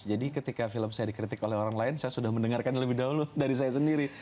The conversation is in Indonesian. jadi ketika film saya dikritik oleh orang lain saya sudah mendengarkan lebih dahulu dari saya sendiri